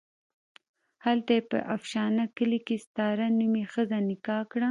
هلته یې په افشنه کلي کې ستاره نومې ښځه نکاح کړه.